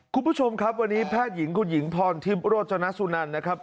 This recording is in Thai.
คุณผู้ชมครับวันนี้แพทย์หญิงคุณหญิงพรทิพย์โรจนสุนันนะครับ